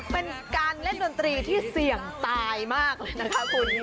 เป็นการเล่นดนตรีที่เสี่ยงตายมากเลยนะคะคุณ